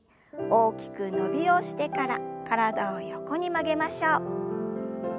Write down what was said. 大きく伸びをしてから体を横に曲げましょう。